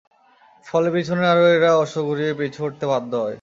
ফলে পিছনের আরোহীরা অশ্ব ঘুরিয়ে পিছু হটতে বাধ্য হয়।